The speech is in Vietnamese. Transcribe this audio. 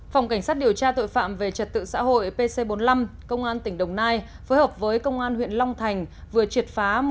phòng cảnh sát điều tra tội phạm về trật tự xã hội pc bốn mươi năm công an tỉnh đồng nai phối hợp với công an huyện long thành vừa triệt phá một tụ điểm đánh giá